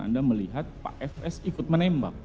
anda melihat pak fs ikut menembak